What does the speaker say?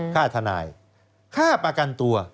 ค่าทนายค่าประกันตัว